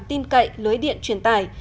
tin cậy lưới điện truyền tải